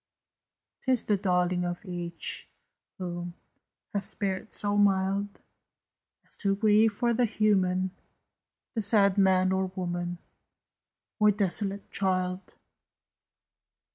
'Tis the darling of each, who Has spirit so mild As to grieve for the Human The sad man or woman, Or desolate child!